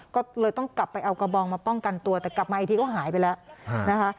ก็เลยต้องกลับไปเอากระบองมาป้องกันตัวแต่กลับมาอีกทีก็หายไปแล้วนะคะ